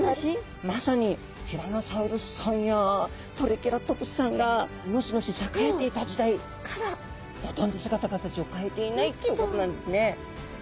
まさにティラノサウルスさんやトリケラトプスさんがのしのし栄えていた時代からほとんど姿形を変えていないっていうことなんですね。